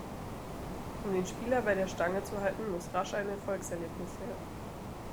Um den Spieler bei der Stange zu halten, muss rasch ein Erfolgserlebnis her.